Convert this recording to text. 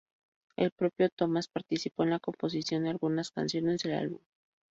El propio Thomas participó en la composición de algunas canciones del álbum.